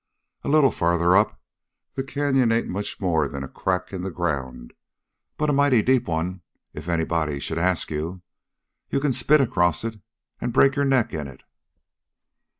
A little farther up, the canyon ain't much more'n a crack in the ground but a mighty deep one if anybody should ask you. You can spit across it an' break your neck in it."